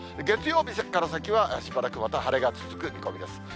月曜日から先は、しばらくまた晴れが続く見込みです。